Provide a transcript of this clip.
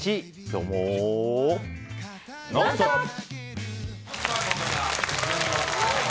「ノンストップ！」。